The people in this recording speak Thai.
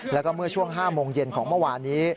แล้วก็เมื่อช่วง๕โมงเย็นของเมื่อวานนี้